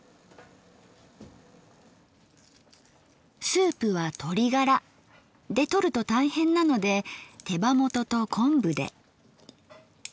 スープは鶏ガラでとると大変なので手羽元と昆布で。